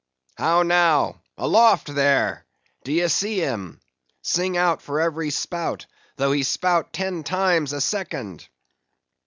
—How now? Aloft there! D'ye see him? Sing out for every spout, though he spout ten times a second!"